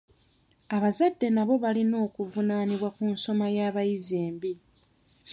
Abazadde nabo balina okuvunaanibwa ku nsoma y'abayizi embi.